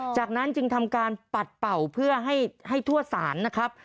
จากนั้นจึงทำการปัดเป่าเพื่อให้ทั่วศาลนะครับ